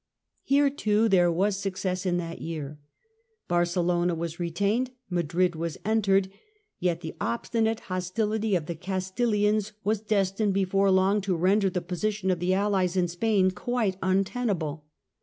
Here, too, there was success in that year. Barcelona was retained; Madrid was entered; yet the obstinate hostility of the Castilians was destined before long to render the position of the Allies in Spain quite untenabfe.